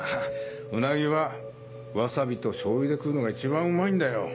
ウナギはわさびと醤油で食うのが一番うまいんだよ。